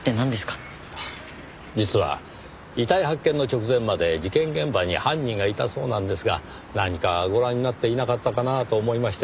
実は遺体発見の直前まで事件現場に犯人がいたそうなんですが何かご覧になっていなかったかなと思いましてね。